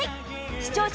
視聴者